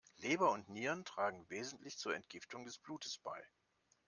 Leber und Nieren tragen wesentlich zur Entgiftung des Blutes bei.